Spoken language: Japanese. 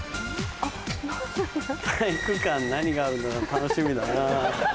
体育館何があるんだろう楽しみだな。